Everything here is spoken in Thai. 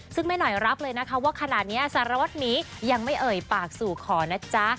ซึ่งแม่หน่อยรับเลยนะคะว่าขณะนี้สารวัตรหมียังไม่เอ่ยปากสู่ขอนะจ๊ะ